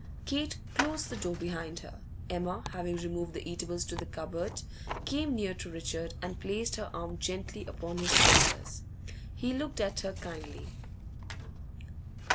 Kate closed the door behind her. Emma, having removed the eatables to the cupboard, came near to Richard and placed her arm gently upon his shoulders. He looked at her kindly.